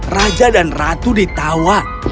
raja dan ratu ditawan